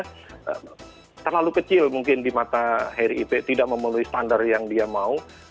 karena terlalu kecil mungkin di mata harry ipe tidak memenuhi standar yang dia mau